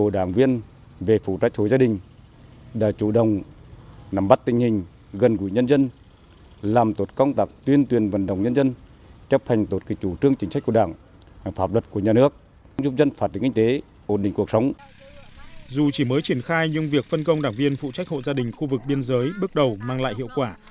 dù chỉ mới triển khai nhưng việc phân công đảng viên phụ trách hộ gia đình khu vực biên giới bước đầu mang lại hiệu quả